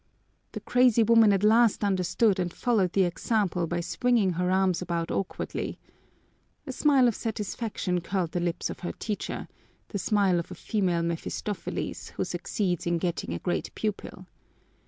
The crazy woman at last understood and followed the example by swinging her arms about awkwardly. A smile of satisfaction curled the lips of her teacher, the smile of a female Mephistopheles who succeeds in getting a great pupil.